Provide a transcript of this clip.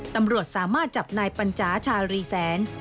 ตำรวจสามารถจับนายปัญจาชาชารีแสน